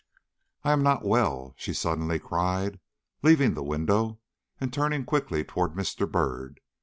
"I am not well," she suddenly cried, leaving the window and turning quickly toward Mr. Byrd.